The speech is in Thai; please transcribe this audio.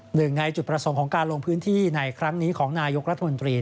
หนึ่งในจุดประสงค์ของการลงพื้นที่ในครั้งนี้ของนายกรัฐมนตรี